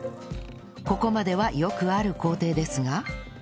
ここまではよくある工程ですが